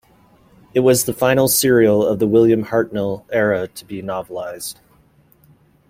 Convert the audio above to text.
It was the final serial of the William Hartnell era to be novelised.